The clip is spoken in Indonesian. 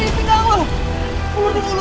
aduh agak terkena